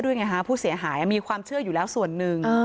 ไงฮะผู้เสียหายมีความเชื่ออยู่แล้วส่วนหนึ่ง